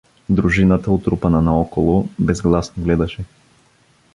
Дружината, отрупана наоколо, безгласно гледаше.